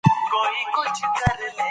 یوه ورځ ورته